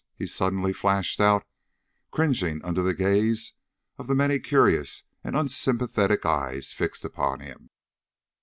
he suddenly flashed out, cringing under the gaze of the many curious and unsympathetic eyes fixed upon him.